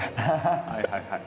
はいはいはい。